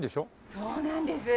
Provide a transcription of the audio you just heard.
そうなんです。